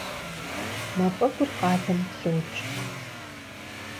Мафӏэгур къалэм блокӏ.